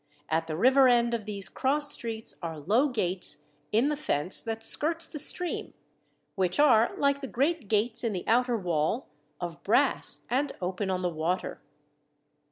At the river end of these cross streets are low gates in the fence that skirts the stream, which THE WALLS OF BABYLON 51 are, like the great gates in the outer wall, of brass, and open on the water.